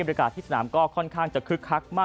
บริการที่สนามก็ค่อนข้างจะคึกคักมาก